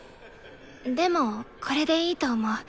でもこれでいいと思う。